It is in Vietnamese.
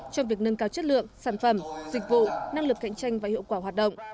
trong việc nâng cao chất lượng sản phẩm dịch vụ năng lực cạnh tranh và hiệu quả hoạt động